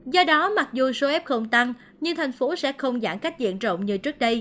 do đó mặc dù số f không tăng nhưng thành phố sẽ không giãn cách diện rộng như trước đây